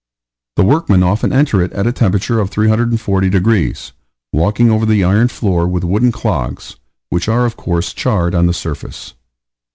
The workmen often enter it at a temperature of 340 degrees, walking over the iron floor with wooden clogs, which are of course charred on the surface.